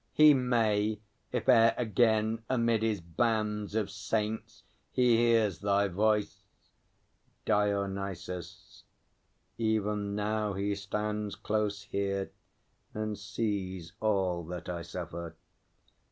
He may, if e'er again amid his bands Of saints he hears thy voice! DIONYSUS. Even now he stands Close here, and sees all that I suffer.